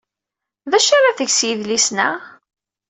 D acu ara teg s yidlisen-a?